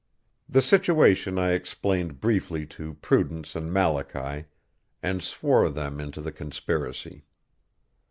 The situation I explained briefly to Prudence and Malachy, and swore them into the conspiracy.